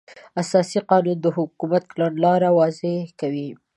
اساسي قانون د حکومت کړنلاره واضح کوي.